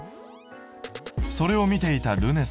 それを見ていたるね